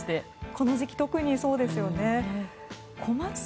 この時期はそうですよね。